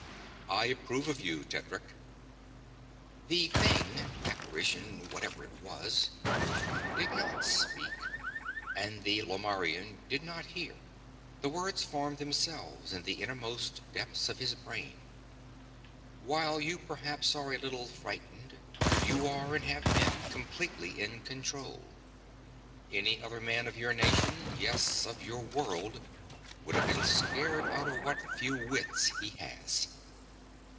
"I approve of you, Tedric." The thing apparition whatever it was did not speak, and the Lomarrian did not hear; the words formed themselves in the innermost depths of his brain. "While you perhaps are a little frightened, you are and have been completely in control. Any other man of your nation yes, of your world would have been scared out of what few wits he has."